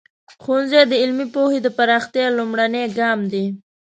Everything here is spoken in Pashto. ښوونځی د علمي پوهې د پراختیا لومړنی ګام دی.